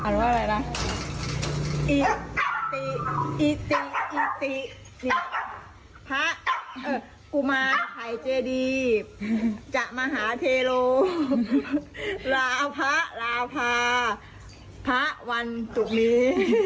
อิติอิติอิติอิติพระกุมาฮัยเจดีย์จมหาเทโลลาพระลาภาพระวันศุกร์นี้